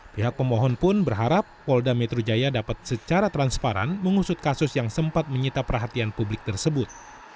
pihak pemohon pun berharap polda metro jaya dapat secara transparan mengusut kasus yang sempat menyita perhatian publik tersebut